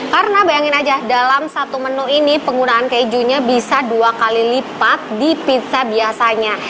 karena bayangin aja dalam satu menu ini penggunaan kejunya bisa dua kali lipat di pizza biasanya